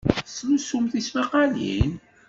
Tettlusum tismaqqalin?